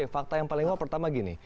fakta yang paling wah pertama gini